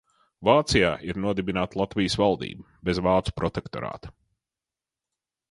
Vācijā ir nodibināta Latvijas valdība bez vācu protektorāta.